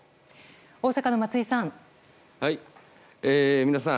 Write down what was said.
大阪の松井さん。